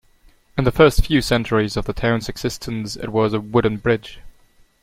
In the first few centuries of the town's existence, it was a wooden bridge.